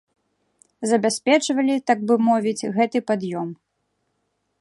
Забяспечвалі, так бы мовіць, гэты пад'ём.